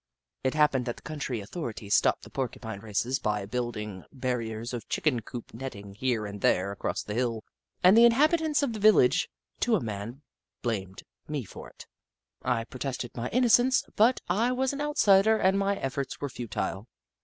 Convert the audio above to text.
It happened that the county authorities stopped the Porcupine races by building bar riers of chicken coop netting here and there across the hill, and the inhabitants of the vil lage, to a man, blamed me for it. I pro tested my innocence, but I was an outsider and my efforts were futile.